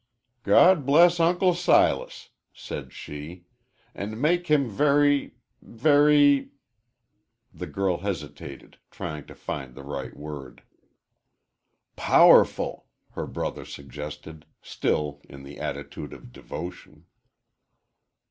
"God bless Uncle Silas," said she, "and make him very very " The girl hesitated, trying to find the right word. "Powerful," her brother suggested, still in the attitude of devotion.